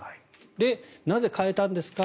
なぜ変えたんですか。